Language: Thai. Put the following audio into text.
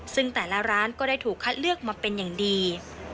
ซึ่งแต่ละร้านก็ได้ถูกคัดเลือกมาเป็นอย่างดี